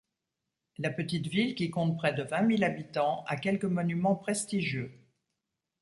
La petite ville, qui compte près de vingt mille habitants, a quelques monuments prestigieux.